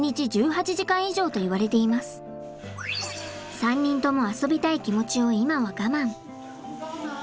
３人とも遊びたい気持ちを今は我慢。